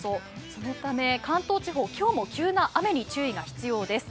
そのため関東地方、今日も急な雨に注意が必要です。